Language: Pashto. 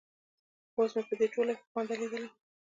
خو اوس مې په دې ټولو کښې خوند ليده.